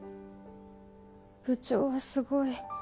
部長はすごい。